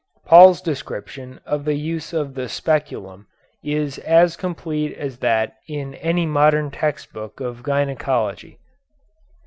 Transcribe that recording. Paul's description of the use of the speculum is as complete as that in any modern text book of gynæcology.